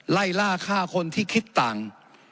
ไล่ล่าฆ่าคนที่คิดต่าง